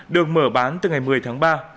được mở bán từ ngày một mươi tháng ba